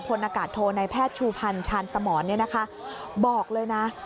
พลนากาศโทนในแพทย์ชูพันธ์ชาญสมร์นบอกเลยนะ